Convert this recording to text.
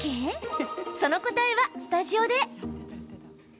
その答えはスタジオで。